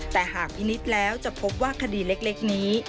แต่หากพินิษฐ์แล้วจะพบว่าคดีเล็กนี้